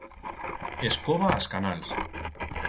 Escoba as canals.